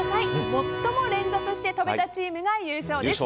最も連続して跳べたチームが優勝です。